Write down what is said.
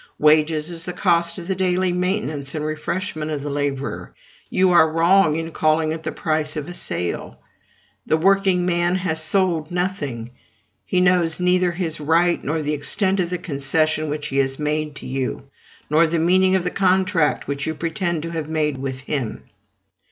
Wages is the cost of the daily maintenance and refreshment of the laborer. You are wrong in calling it the price of a sale. The workingman has sold nothing; he knows neither his right, nor the extent of the concession which he has made to you, nor the meaning of the contract which you pretend to have made with him.